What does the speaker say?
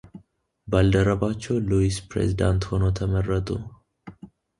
ባልደረባቸው ሉዊስ ፕሬዝዳንት ሆነው ተመረጡ።